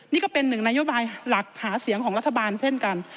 นี่ก็เป็นหนึ่งนโยบายหลักหาเสียงของรัฐบาลเช่นกัน